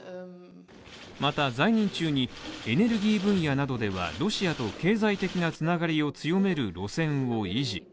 また在任中にエネルギー分野などではロシアと経済的な繋がりを強める路線を維持し、